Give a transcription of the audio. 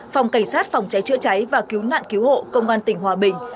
phòng cảnh sát phòng cháy chữa cháy và cứu nạn cứu hộ công an tỉnh hòa bình